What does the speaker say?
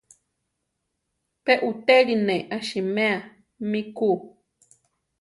Pe uʼtéli ne asiméa mi ku.